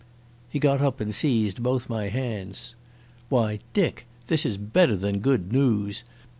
He got up and seized both my hands. "Why, Dick, this is better than good noos.